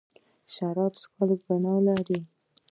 شراب څښل ګناه لري.